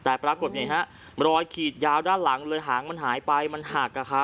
แต่ปรากฏเป็นอย่างนี้นะมรอยขีดยาวด้านหลังเลยหางมันหายไปมันหักอะครับ